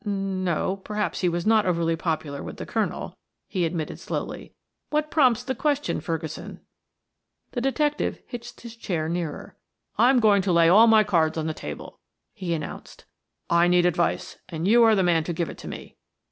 "N no, perhaps he was not over popular with the colonel," he admitted slowly. "What prompts the question, Ferguson?" The detective hitched his chair nearer. "I'm going to lay all my cards on the table," he announced. "I need advice and you are the man to give it to me.